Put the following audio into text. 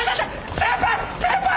先輩！